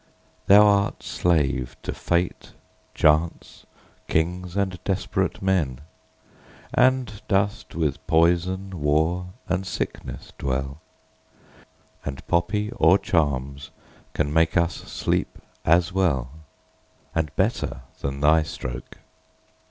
Thou'rt slave to fate, chance, kings, and desperate men, And dost with poison, war, and sickness dwell; 10 And poppy or charms can make us sleep as well And better than thy stroke.